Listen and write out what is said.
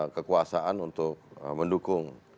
kekuasaan untuk mendukung